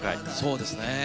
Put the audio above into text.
そうですね。